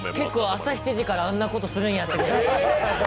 朝７時からあんなことするんやって。